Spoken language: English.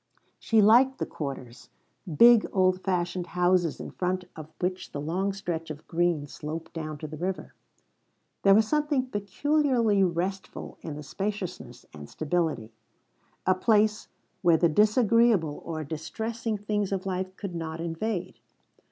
She liked the quarters: big old fashioned houses in front of which the long stretch of green sloped down to the river. There was something peculiarly restful in the spaciousness and stability, a place which the disagreeable or distressing things of life could not invade.